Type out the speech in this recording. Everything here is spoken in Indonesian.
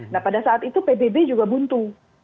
nah pada saat itu pbb juga buntu